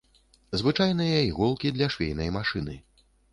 Звычайныя іголкі для швейнай машыны.